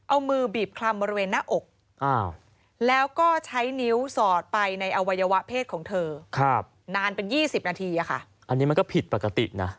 อันนี้มันก็ผิดปกตินะ